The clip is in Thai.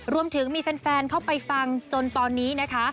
รวมถึงมีแฟนเข้าไปฟังจนตอนนี้นะคะ